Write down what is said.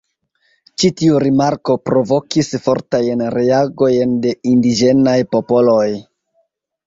Ĉi tiu rimarko provokis fortajn reagojn de indiĝenaj popoloj.